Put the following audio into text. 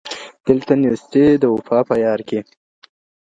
دلته نېستي ده وفا په یار کي